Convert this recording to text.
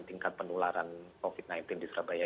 tingkat penularan covid sembilan belas di surabaya